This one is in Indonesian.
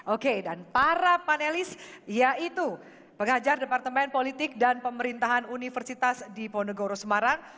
oke dan para panelis yaitu pengajar departemen politik dan pemerintahan universitas diponegoro semarang